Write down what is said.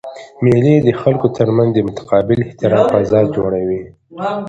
مېلې د خلکو ترمنځ د متقابل احترام فضا جوړوي.